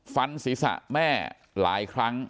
ฟันศีรษะแม่หลายครั้ง